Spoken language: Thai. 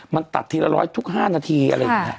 มันตัดทีละ๑๐๐ทุก๕นาทีอะไรอย่างนี้